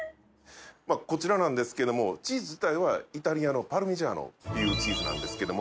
こちらなんですけどもチーズ自体はイタリアのパルミジャーノっていうチーズなんですけども。